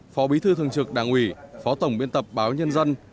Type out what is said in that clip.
phó bí thư thường trực đảng ủy phó tổng biên tập báo nhân dân